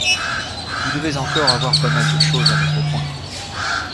Vous devez encore avoir pas mal de choses à mettre au point.